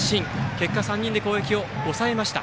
結果３人で攻撃を抑えました。